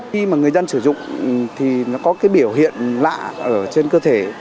khi mà người dân sử dụng thì nó có cái biểu hiện lạ ở trên cơ thể